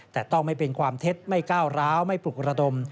แต่ต้องไม่เป็นความเท็จไม่ก้าวร้าวไม่ปลุกระดม